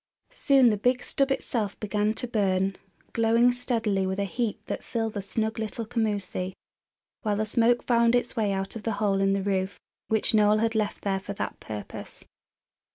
Soon the big stub itself began to burn, glowing steadily with a heat that filled the snug little commoosie, while the smoke found its way out of the hole in the roof which Noel had left for that purpose.